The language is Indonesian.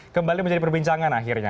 kembali menjadi perbincangan akhirnya